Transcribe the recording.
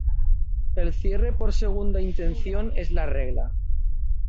El cierre por segunda intención es la regla.